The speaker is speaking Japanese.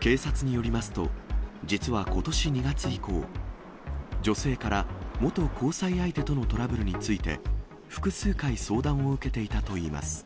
警察によりますと、実はことし２月以降、女性から元交際相手とのトラブルについて、複数回相談を受けていたといいます。